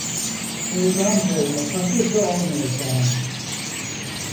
Bundan böyle fakir de olmayacağım.